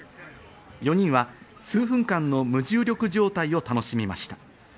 ４人は数分間の無重力状態を楽しみました。